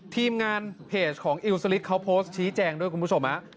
ทีมงานเพจของอิวสลิดเขาโพสต์ชี้แจงด้วยคุณผู้ชม